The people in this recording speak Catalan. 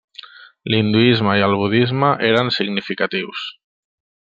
L'hinduisme i el budisme eren significatius.